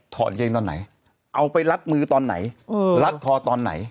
กางเกงตอนไหนเอาไปลัดมือตอนไหนรัดคอตอนไหน